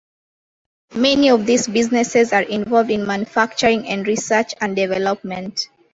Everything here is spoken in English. Many of these businesses are involved in manufacturing and research and development.